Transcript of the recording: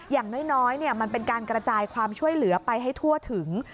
อย่างน้อยมันเป็นการกระจายความช่วยเหลือไปให้ทั่วถึง